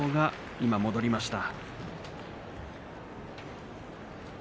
今、戻りました。